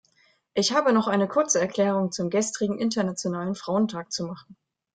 Ich habe noch eine kurze Erklärung zum gestrigen Internationalen Frauentag zu machen.